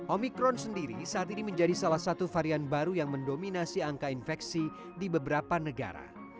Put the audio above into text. omikron sendiri saat ini menjadi salah satu varian baru yang mendominasi angka infeksi di beberapa negara